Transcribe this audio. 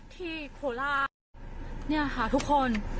โคราชเนี่ยค่ะทุกคน